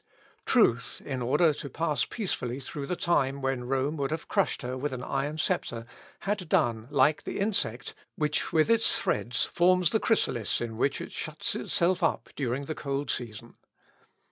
Truth, in order to pass peacefully through the time when Rome would have crushed her with an iron sceptre, had done, like the insect which with its threads forms the chrysalis in which it shuts itself up during the cold season.